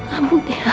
amu diam ayo